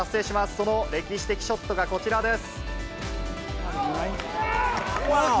その歴史的ショットがこちらです。